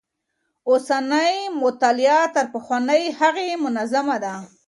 اوسنۍ مطالعه تر پخوانۍ هغې منظمه ده.